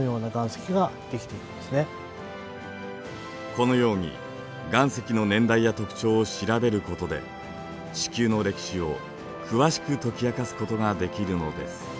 このように岩石の年代や特徴を調べることで地球の歴史を詳しく解き明かすことができるのです。